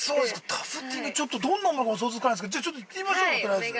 タフティングちょっと、どんなものか想像つかないですけどちょっと行ってみましょう取りあえず。